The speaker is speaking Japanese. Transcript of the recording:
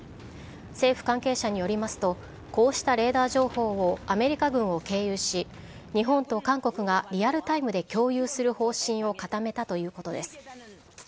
政府関係者によりますと、こうしたレーダー情報をアメリカ軍を経由し、日本と韓国がリアルタイムで共有する方針を固めたということです。